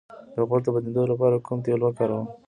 د غوږ د بندیدو لپاره کوم تېل وکاروم؟